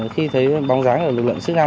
khi thấy bóng dáng lực lượng sức năng